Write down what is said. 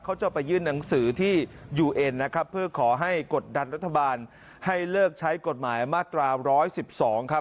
เขาจะไปยื่นหนังสือที่ยูเอ็นนะครับเพื่อขอให้กดดันรัฐบาลให้เลิกใช้กฎหมายมาตรา๑๑๒ครับ